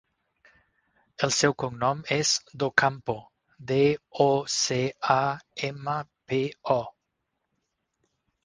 El seu cognom és Docampo: de, o, ce, a, ema, pe, o.